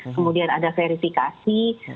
kemudian ada verifikasi